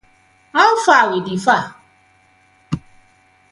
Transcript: How far wit di far?